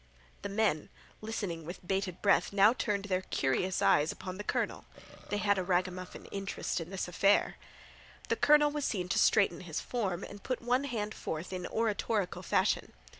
The men, listening with bated breath, now turned their curious eyes upon the colonel. They had a ragamuffin interest in this affair. The colonel was seen to straighten his form and put one hand forth in oratorical fashion.